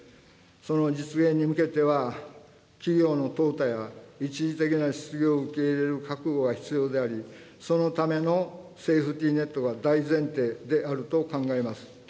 その実現に向けては、企業のとう汰や一時的な失業を受け入れる覚悟が必要であり、そのためのセーフティーネットが大前提であると考えます。